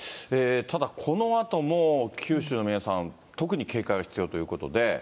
ただ、このあとも九州の皆さん、特に警戒が必要ということで。